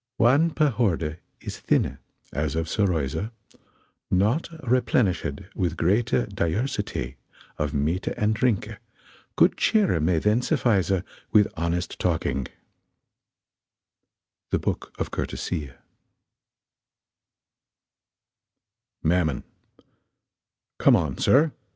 Whan pe horde is thynne, as of seruyse, Nought replenesshed with grete diuersite Of mete & drinke, good chere may then suffise With honest talkyng The Book of Curtesye. MAMMON. Come on, sir.